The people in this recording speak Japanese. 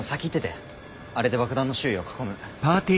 あれで爆弾の周囲を囲む。